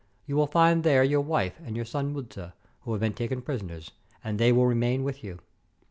You will find there your wife and your son Muza, who have been taken prisoners, and they will remain with you.